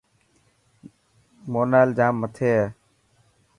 مونال ڄام مٿي هي.